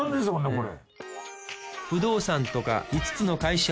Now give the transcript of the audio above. これ。